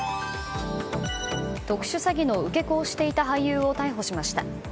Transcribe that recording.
特殊詐欺の受け子をしていた俳優を逮捕しました。